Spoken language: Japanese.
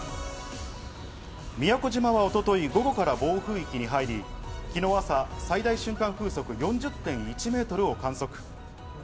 宮古島は一昨日午後から暴風域に入り、きのう朝、最大瞬間風速４０．１メートルを観測。